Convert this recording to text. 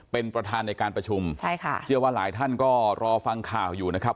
เป็นประธานในการประชุมใช่ค่ะเชื่อว่าหลายท่านก็รอฟังข่าวอยู่นะครับ